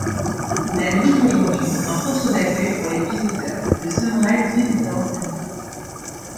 Il abrite aujourd'hui un centre d'accueil pour les visiteurs, le Sunrise Visitor Center.